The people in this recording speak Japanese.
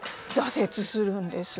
挫折するんです。